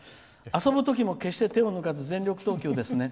遊ぶときも決して手を抜かず全力投球ですね。